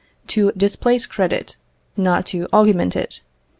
to displace credit, not to augment it.